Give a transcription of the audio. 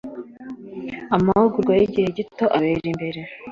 amahugurwa y’igihe gito abera imbere